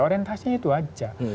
orientasinya itu aja